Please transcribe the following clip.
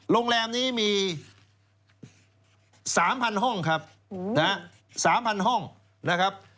โรงแรมนี้มี๓๐๐๐ห้องครับ